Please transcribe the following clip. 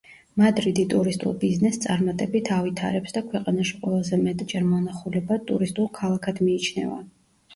მადრიდი ტურისტულ ბიზნესს წარმატებით ავითარებს და ქვეყანაში ყველაზე მეტჯერ მონახულებად ტურისტულ ქალაქად მიიჩნევა.